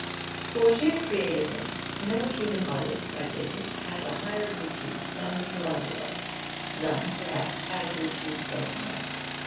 For sheer creativeness, no human artist, I take it, has a higher repute than Michael Angelo; none perhaps has a repute so high.